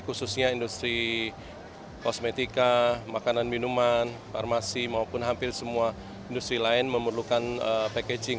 khususnya industri kosmetika makanan minuman farmasi maupun hampir semua industri lain memerlukan packaging